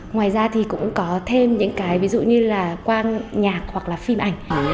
ngoài ra thì cũng có thêm những cái ví dụ như là quang nhạc hoặc là phim ảnh